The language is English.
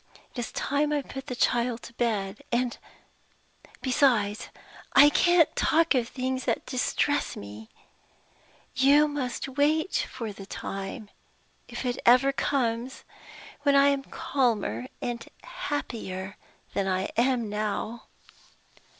"It is time I put the child to bed and, besides, I can't talk of things that distress me. You must wait for the time if it ever comes! when I am calmer and happier than I am now."